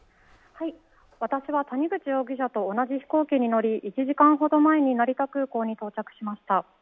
私は谷口容疑者と同じ飛行機に乗り、１時間ほど前に成田空港に到着しました。